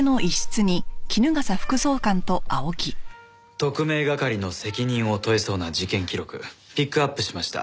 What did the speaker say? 特命係の責任を問えそうな事件記録ピックアップしました。